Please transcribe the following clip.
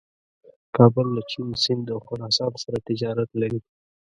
کابل له چین، سیند او خراسان سره تجارت لري.